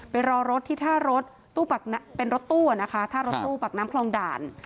รอรถที่ท่ารถตู้เป็นรถตู้นะคะท่ารถตู้ปากน้ำคลองด่าน